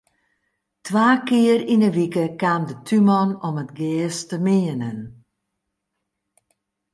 Twa kear yn 'e wike kaam de túnman om it gjers te meanen.